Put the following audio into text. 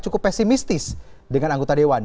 cukup pesimistis dengan anggota dewan